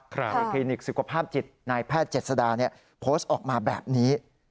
คลินิกสุขภาพจิตนายแพทย์เจษดาโพสต์ออกมาแบบนี้